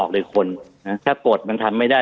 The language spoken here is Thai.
กดมันออกเลยคนนะถ้ากดมันทำไม่ได้